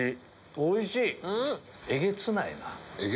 おいしい！